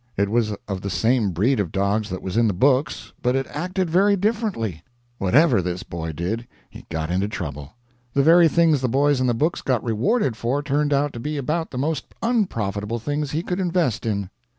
It was of the same breed of dogs that was in the books, but it acted very differently. Whatever this boy did he got into trouble. The very things the boys in the books got rewarded for turned out to be about the most unprofitable things he could invest in.